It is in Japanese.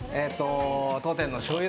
当店のしょうゆ